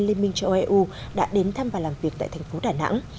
liên minh châu âu eu đã đến thăm và làm việc tại thành phố đà nẵng